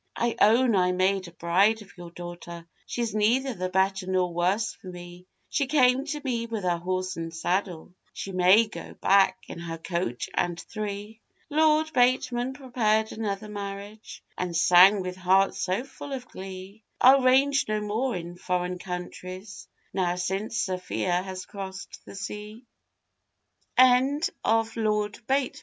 'I own I made a bride of your daughter, She's neither the better nor worse for me; She came to me with her horse and saddle, She may go back in her coach and three.' Lord Bateman prepared another marriage, And sang, with heart so full of glee, I'll range no more in foreign countries, Now since Sophia has c